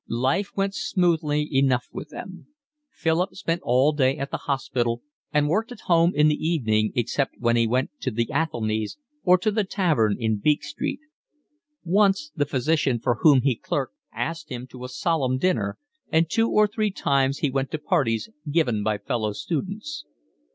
Life went smoothly enough with them. Philip spent all day at the hospital and worked at home in the evening except when he went to the Athelnys' or to the tavern in Beak Street. Once the physician for whom he clerked asked him to a solemn dinner, and two or three times he went to parties given by fellow students.